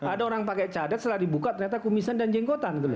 ada orang pakai cadat setelah dibuka ternyata kumisan dan jengkotan